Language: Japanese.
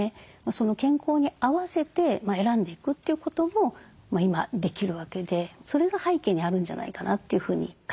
健康に合わせて選んでいくということも今できるわけでそれが背景にあるんじゃないかなというふうに考えています。